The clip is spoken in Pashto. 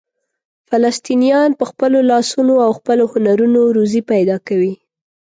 فلسطینیان په خپلو لاسونو او خپلو هنرونو روزي پیدا کوي.